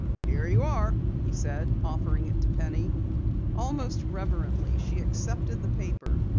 "Here you are," he said, offering it to Penny. Almost reverently she accepted the paper.